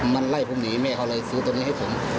มันไล่ผมหนีแม่เขาเลยซื้อตัวนี้ให้ผม